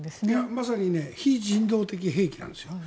まさに非人道的兵器です。